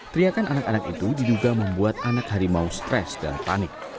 teriakan anak anak itu diduga membuat anak harimau stres dan panik